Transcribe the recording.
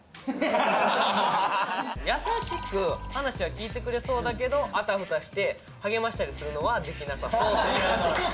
優しく話は聞いてくれそうだけどあたふたして励ましたりするのはできなさそう。